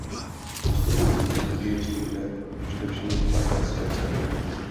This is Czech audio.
V Ostrovní trilogii studuje především partnerské vztahy.